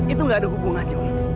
itu gak ada hubungannya om